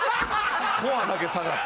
コアだけ下がって。